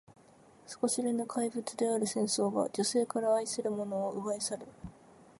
底知れぬ怪物である戦争は、女性から愛する者を奪い去る。